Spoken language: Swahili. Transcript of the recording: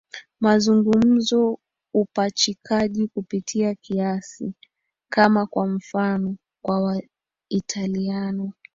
mazungumzo upachikaji kupita kiasi kama kwa mfano kwa Waitaliano